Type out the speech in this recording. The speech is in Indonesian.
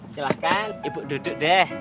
silahkan ibu duduk